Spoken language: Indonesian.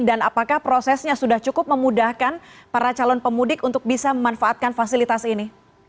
dan apakah prosesnya sudah cukup memudahkan para calon pemudik untuk bisa memanfaatkan fasilitas ini